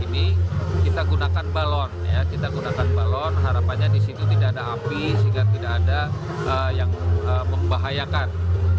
ini kita gunakan balon kita gunakan balon harapannya di situ tidak ada api sehingga tidak ada yang membahayakan